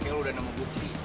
i think lo udah nemu bukti